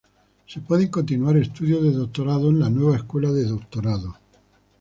Se pueden continuar estudios de doctorado en la nueva escuela de doctorado.